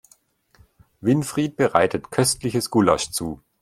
Winfried bereitet köstliches Gulasch zu.